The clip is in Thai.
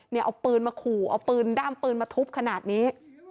เอาปืนมาขู่เอาปืนด้ามปืนมาทุบขนาดนี้